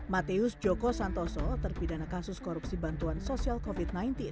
mateus joko santoso terpidana kasus korupsi bantuan sosial covid sembilan belas